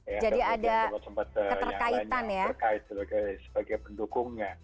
jadi ada tempat yang lain yang terkait sebagai pendukungnya